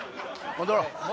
戻ろう。